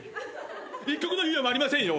一刻の猶予もありませんよ。